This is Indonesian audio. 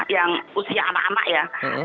yang usia anak anak ya